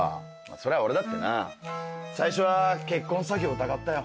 それは俺だってな最初は結婚詐欺を疑ったよ。